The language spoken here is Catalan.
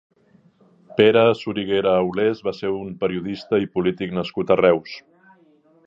Pere Soriguera Aulès va ser un periodista i polític nascut a Reus.